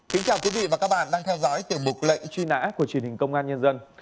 kính chào quý vị và các bạn đang theo dõi tiểu mục lệnh truy nã của truyền hình công an nhân dân